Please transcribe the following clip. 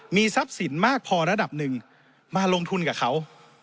มีทรัพย์สินมากพอระดับหนึ่งมาลงทุนกับเขา